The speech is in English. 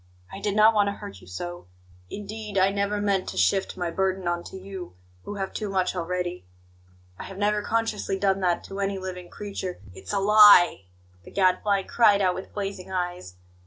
"I did not want to hurt you so. Indeed, I never meant to shift my burden on to you, who have too much already. I have never consciously done that to any living creature " "It's a lie!" the Gadfly cried out with blazing eyes.